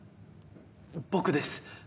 僕です